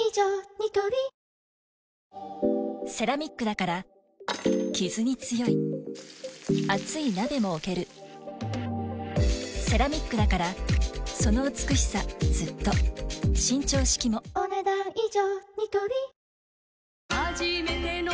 ニトリセラミックだからキズに強い熱い鍋も置けるセラミックだからその美しさずっと伸長式もお、ねだん以上。